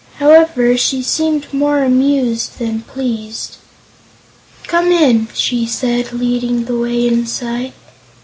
However, she seemed more amused than pleased. "Come in," she said, leading the way inside.